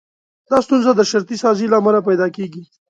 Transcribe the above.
دا ستونزه د شرطي سازي له امله پيدا کېږي.